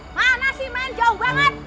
mana sih main jauh banget